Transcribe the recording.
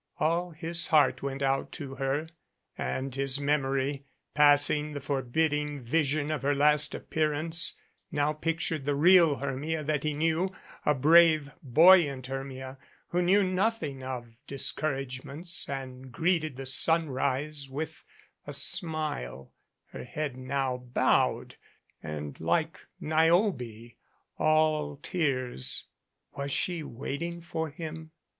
All his heart went out to her, and his memory, passing the forbidding vision of her last appearance, now pictured the real Hermia that he knew, a brave, buoyant Hermia, who knew nothing of discouragements and greeted the sunrise with a smile, her head now bowed and, like Niobe, "all tears." Was she waiting for him?